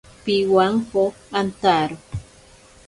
Pibwanko antaro.